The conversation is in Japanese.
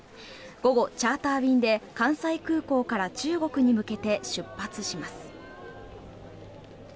午後、チャーター便で関西空港から中国に向けて出発します。